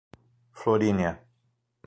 Florínea